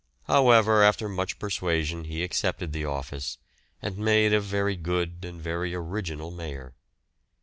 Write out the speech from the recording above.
However, after much persuasion he accepted the office, and made a very good and a very original Mayor.